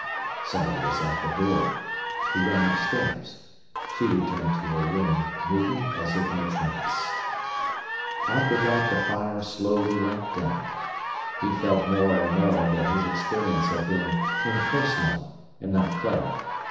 Somebody was at the door. He ran upstairs; she returned to her room, moving as if in a trance. After that the fire slowly went down. He felt more and more that his experience had been impersonal, and not Clara.